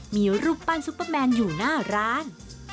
มีรูปปั้นซุปเปอร์แมนอยู่หน้าร้าน